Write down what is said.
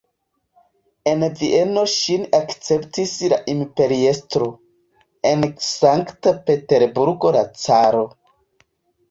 En Vieno ŝin akceptis la imperiestro, en Sankt-Peterburgo la caro.